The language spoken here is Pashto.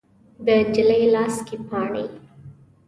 د نجلۍ لاس کې پاڼې